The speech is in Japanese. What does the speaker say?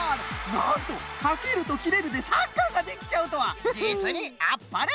なんと「かける」と「きれる」でサッカーができちゃうとはじつにあっぱれ！